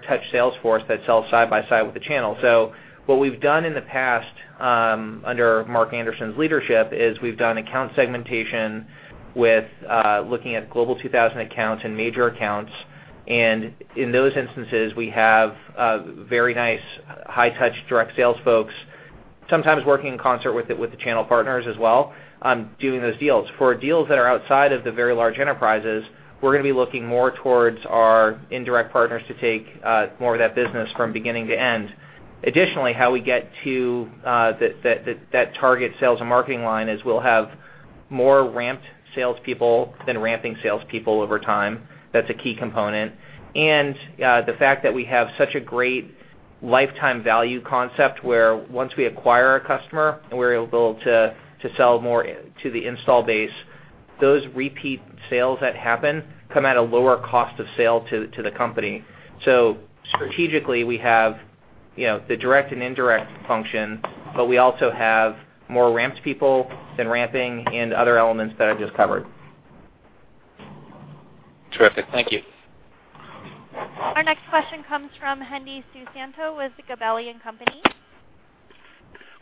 D: touch sales force that sells side by side with the channel. What we've done in the past under Mark Anderson's leadership is we've done account segmentation with looking at Global 2000 accounts and major accounts. In those instances, we have very nice high touch direct sales folks sometimes working in concert with the channel partners as well on doing those deals. For deals that are outside of the very large enterprises, we're going to be looking more towards our indirect partners to take more of that business from beginning to end. Additionally, how we get to that target sales and marketing line is we'll have more ramped salespeople than ramping salespeople over time. That's a key component. The fact that we have such a great lifetime value concept where once we acquire a customer and we're able to sell more to the install base, those repeat sales that happen come at a lower cost of sale to the company. Strategically, we have the direct and indirect function, but we also have more ramped people than ramping and other elements that I just covered.
Q: Terrific. Thank you.
A: Our next question comes from Hendi Susanto with Gabelli & Company.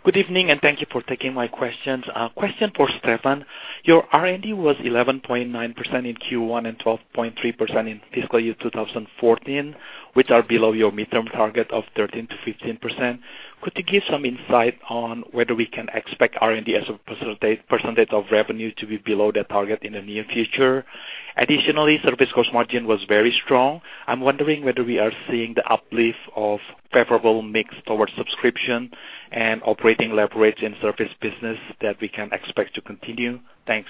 R: Good evening. Thank you for taking my questions. A question for Steffan. Your R&D was 11.9% in Q1 and 12.3% in fiscal year 2014, which are below your midterm target of 13% to 15%. Could you give some insight on whether we can expect R&D as a percentage of revenue to be below that target in the near future? Additionally, services gross margin was very strong. I'm wondering whether we are seeing the uplift of favorable mix towards subscriptions and operating leverage in services business that we can expect to continue. Thanks.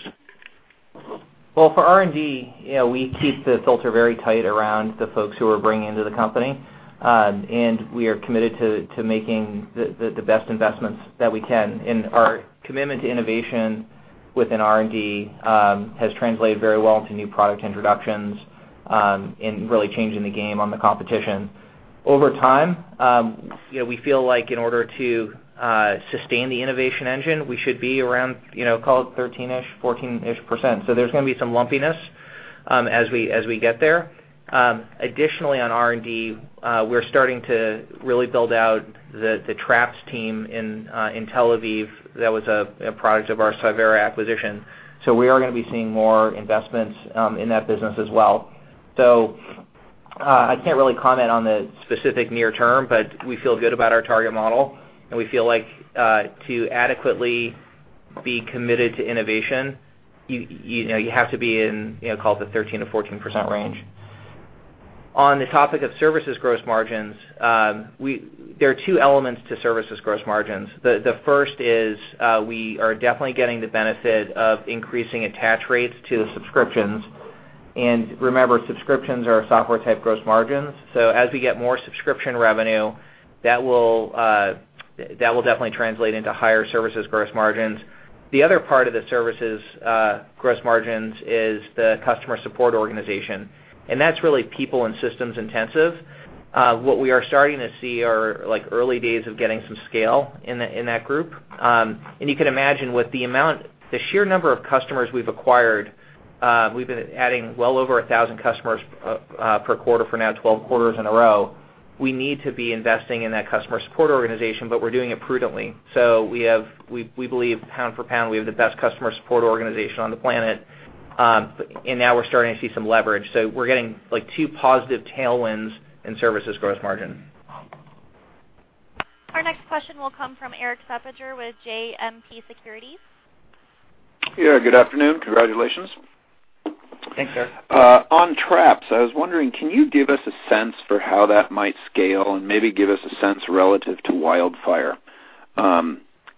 D: Well, for R&D, we keep the filter very tight around the folks who we're bringing into the company, and we are committed to making the best investments that we can. Our commitment to innovation within R&D has translated very well into new product introductions, and really changing the game on the competition. Over time, we feel like in order to sustain the innovation engine, we should be around call it 13-ish, 14-ish%. There's going to be some lumpiness as we get there. Additionally, on R&D, we're starting to really build out the Traps team in Tel Aviv. That was a product of our Cyvera acquisition. We are going to be seeing more investments in that business as well. I can't really comment on the specific near term, but we feel good about our target model, and we feel like to adequately be committed to innovation, you have to be in call it the 13% to 14% range. On the topic of services gross margins, there are two elements to services gross margins. The first is we are definitely getting the benefit of increasing attach rates to subscriptions. Remember, subscriptions are software type gross margins. As we get more subscription revenue, that will definitely translate into higher services gross margins. The other part of the services gross margins is the customer support organization, and that's really people and systems intensive. What we are starting to see are early days of getting some scale in that group. You can imagine with the sheer number of customers we've acquired, we've been adding well over 1,000 customers per quarter for now 12 quarters in a row. We need to be investing in that customer support organization, we're doing it prudently. We believe pound for pound, we have the best customer support organization on the planet. Now we're starting to see some leverage. We're getting two positive tailwinds in services gross margin.
A: Our next question will come from Erik Suppiger with JMP Securities.
S: Yeah, good afternoon. Congratulations.
D: Thanks, Erik.
S: On Traps, I was wondering, can you give us a sense for how that might scale and maybe give us a sense relative to WildFire?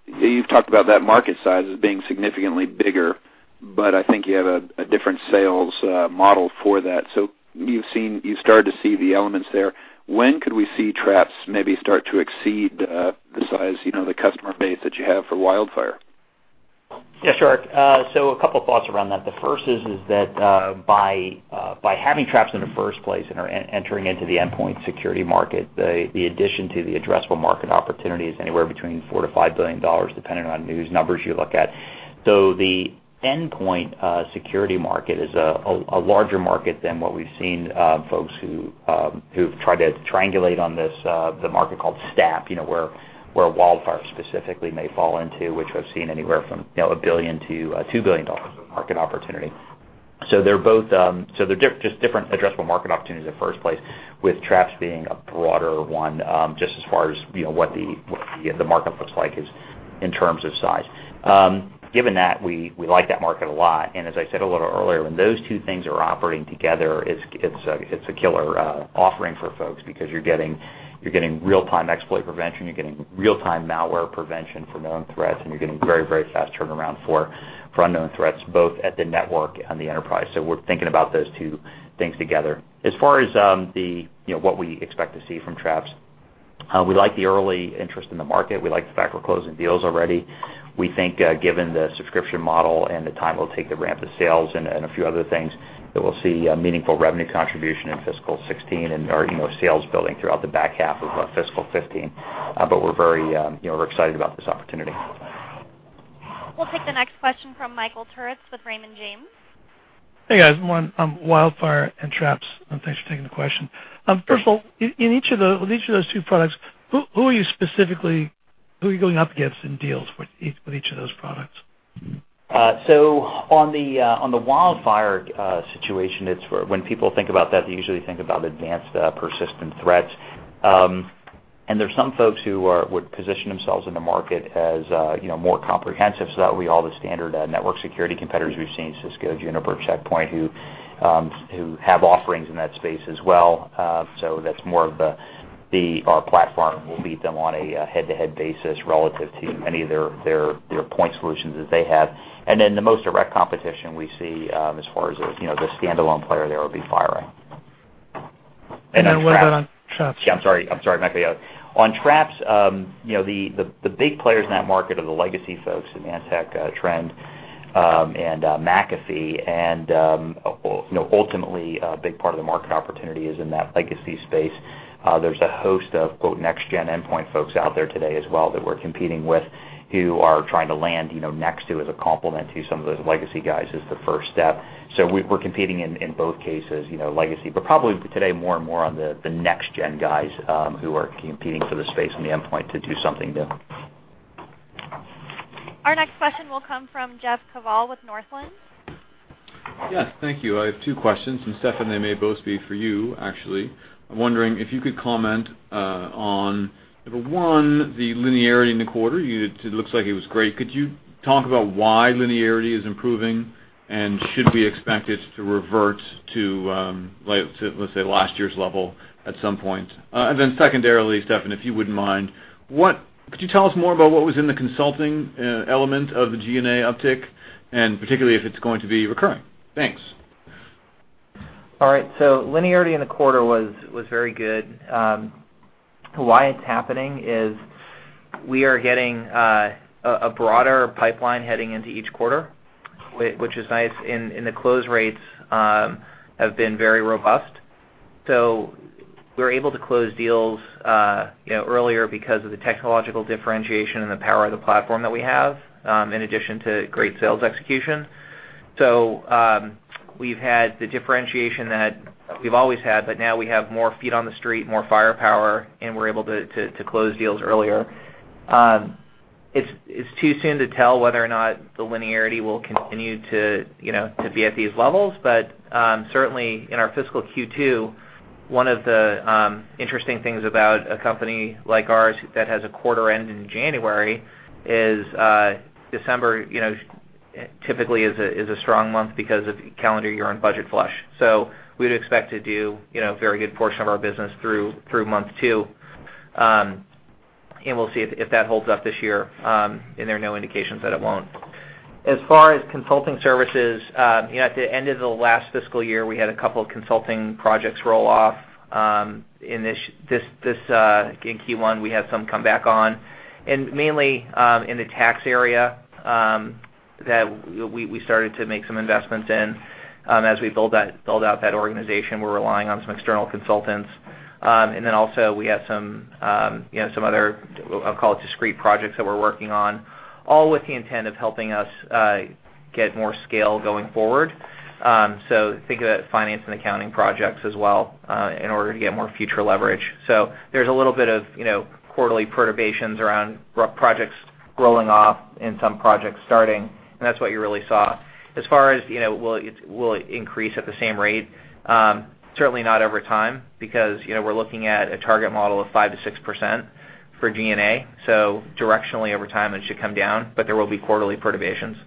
S: You've talked about that market size as being significantly bigger, but I think you have a different sales model for that. You've started to see the elements there. When could we see Traps maybe start to exceed the size, the customer base that you have for WildFire?
C: Yes, sure. A couple thoughts around that. The first is that by having Traps in the first place and are entering into the endpoint security market, the addition to the addressable market opportunity is anywhere between $4 billion-$5 billion, depending on whose numbers you look at. The endpoint security market is a larger market than what we've seen folks who've tried to triangulate on this, the market called STAP, where WildFire specifically may fall into, which we've seen anywhere from $1 billion-$2 billion of market opportunity. They're just different addressable market opportunities in the first place, with Traps being a broader one, just as far as what the market looks like is in terms of size. Given that, we like that market a lot. As I said a little earlier, when those two things are operating together, it's a killer offering for folks because you're getting real-time exploit prevention, you're getting real-time malware prevention for known threats, and you're getting very fast turnaround for unknown threats, both at the network and the enterprise. We're thinking about those two things together. As far as what we expect to see from Traps, we like the early interest in the market. We like the fact we're closing deals already. We think given the subscription model and the time it'll take to ramp the sales and a few other things, that we'll see a meaningful revenue contribution in fiscal 2016 and our sales building throughout the back half of fiscal 2015. We're very excited about this opportunity.
A: We'll take the next question from Michael Turits with Raymond James.
T: Hey, guys. One on WildFire and Traps, thanks for taking the question.
C: Thanks.
T: First of all, in each of those two products, who are you going up against in deals with each of those products?
C: On the WildFire situation, when people think about that, they usually think about advanced persistent threats. There's some folks who would position themselves in the market as more comprehensive, that would be all the standard network security competitors we've seen, Cisco, Juniper, Check Point, who have offerings in that space as well. That's more of our platform will beat them on a head-to-head basis relative to any of their point solutions that they have. The most direct competition we see as far as the standalone player there would be FireEye. On Traps-
T: What about on Traps?
C: I'm sorry, Michael. On Traps, the big players in that market are the legacy folks in Symantec, Trend Micro, and McAfee. Ultimately, a big part of the market opportunity is in that legacy space. There's a host of next-gen endpoint folks out there today as well that we're competing with who are trying to land next to as a complement to some of those legacy guys as the first step. We're competing in both cases, legacy, but probably today more and more on the next-gen guys who are competing for the space on the endpoint to do something new.
A: Our next question will come from Jeff Kvaal with Northland Capital Markets.
U: Thank you. I have two questions. Steffan, they may both be for you, actually. I'm wondering if you could comment on, number 1, the linearity in the quarter. It looks like it was great. Could you talk about why linearity is improving? Should we expect it to revert to, let's say, last year's level at some point? Secondarily, Steffan, if you wouldn't mind, could you tell us more about what was in the consulting element of the G&A uptick, and particularly if it's going to be recurring? Thanks.
D: Linearity in the quarter was very good. Why it's happening is we are getting a broader pipeline heading into each quarter, which is nice. The close rates have been very robust. We're able to close deals earlier because of the technological differentiation and the power of the platform that we have, in addition to great sales execution. We've had the differentiation that we've always had. Now we have more feet on the street, more firepower, and we're able to close deals earlier. It's too soon to tell whether or not the linearity will continue to be at these levels. Certainly, in our fiscal Q2, one of the interesting things about a company like ours that has a quarter end in January is December typically is a strong month because of calendar year-end budget flush. We'd expect to do a very good portion of our business through month two. We'll see if that holds up this year, and there are no indications that it won't. As far as consulting services, at the end of the last fiscal year, we had a couple of consulting projects roll off. In Q1, we had some come back on, mainly in the tax area that we started to make some investments in. As we build out that organization, we're relying on some external consultants. Also we had some other, I'll call it discrete projects that we're working on, all with the intent of helping us get more scale going forward. Think of it as finance and accounting projects as well in order to get more future leverage. There's a little bit of quarterly perturbations around projects rolling off and some projects starting, and that's what you really saw. As far as will it increase at the same rate? Certainly not over time because we're looking at a target model of 5%-6% for G&A, directionally over time, it should come down, but there will be quarterly perturbations.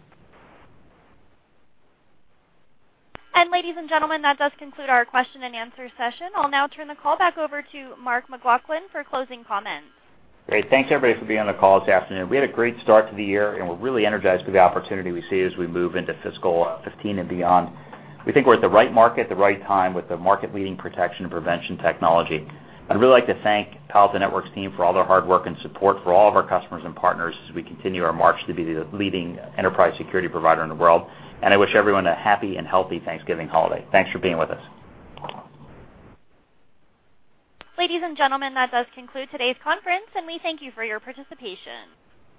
A: Ladies and gentlemen, that does conclude our question and answer session. I'll now turn the call back over to Mark McLaughlin for closing comments.
C: Great. Thanks, everybody, for being on the call this afternoon. We had a great start to the year, we're really energized with the opportunity we see as we move into fiscal 2015 and beyond. We think we're at the right market at the right time with the market-leading protection and prevention technology. I'd really like to thank Palo Alto Networks team for all their hard work and support for all of our customers and partners as we continue our march to be the leading enterprise security provider in the world. I wish everyone a happy and healthy Thanksgiving holiday. Thanks for being with us.
A: Ladies and gentlemen, that does conclude today's conference, and we thank you for your participation.